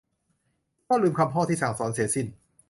ก็ลืมคำพ่อที่สั่งสอนเสียสิ้น